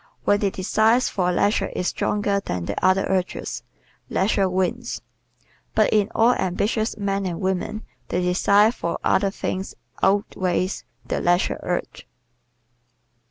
When the desire for leisure is stronger than the other urges, leisure wins. But in all ambitious men and women the desire for other things outweighs the leisure urge.